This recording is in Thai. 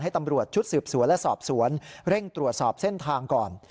ตำรวจชุดสืบสวนและสอบสวนเร่งตรวจสอบเส้นทางก่อน